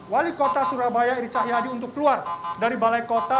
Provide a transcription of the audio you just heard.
wali kota surabaya iri cahyadi untuk keluar dari balai kota